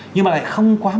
nhưng mà lại không quá mạnh